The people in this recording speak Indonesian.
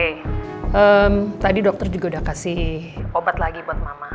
oke tadi dokter juga udah kasih obat lagi buat mama